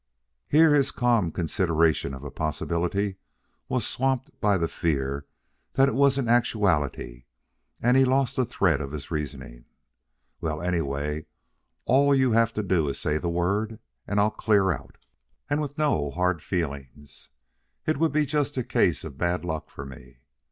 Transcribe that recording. Here, his calm consideration of a possibility was swamped by the fear that it was an actuality, and he lost the thread of his reasoning. "Well, anyway, all you have to do is to say the word and I'll clear out. "And with no hard feelings; it would be just a case of bad luck for me.